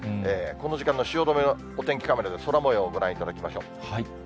この時間の汐留のお天気カメラで空もようをご覧いただきましょう。